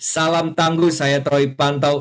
salam tangguh saya troy pantau